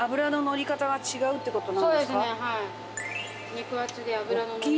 肉厚で脂ののりが。